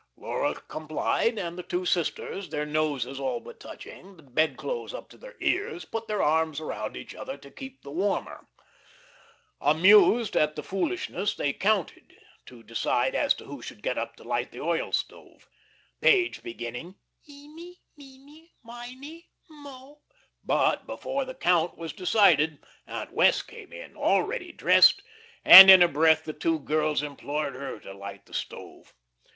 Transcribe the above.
Laura complied, and the two sisters, their noses all but touching, the bedclothes up to their ears, put their arms about each other to keep the warmer. Amused at the foolishness, they "counted" to decide as to who should get up to light the oil stove, Page beginning: "Eeny meeny myny mo " But before the "count" was decided Aunt Wess' came in, already dressed, and in a breath the two girls implored her to light the stove.